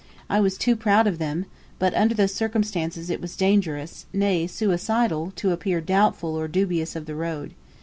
I was too proud of them; but under the circumstances it was dangerous nay, suicidal to appear doubtful or dubious of the road.